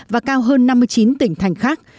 và cao hơn năm mươi chín tỉnh thành khác